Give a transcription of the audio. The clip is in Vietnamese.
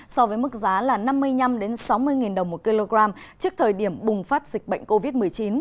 so với mức giá là năm mươi năm sáu mươi đồng một kg trước thời điểm bùng phát dịch bệnh covid một mươi chín